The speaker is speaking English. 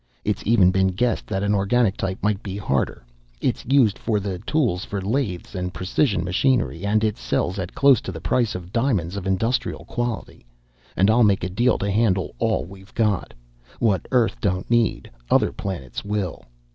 "It's even been guessed that an organic type might be harder. It's used for the tools for lathes and precision machinery, and it sells at close to the price of diamonds of industrial quality and I'll make a deal to handle all we've got. What Earth don't need, other planets will.